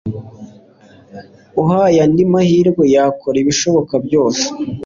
Uhaye andi mahirwe yakora ibishoboka byose